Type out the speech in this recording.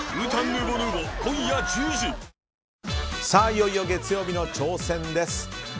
いよいよ月曜日の挑戦です。